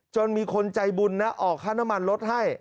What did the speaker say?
จนมีคนใจบุญออกข้าน้ำมันลดให้